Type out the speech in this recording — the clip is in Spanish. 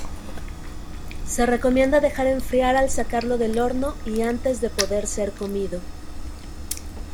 Se recomienda dejar enfriar al sacarlo del horno y antes de poder ser comido.